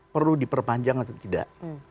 perlu diperpanjang atau tidak